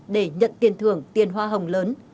để nhận tiền thưởng tiền hoa hồng lớn